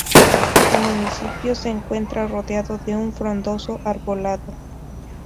Su municipio se encuentra rodeado de un frondoso arbolado.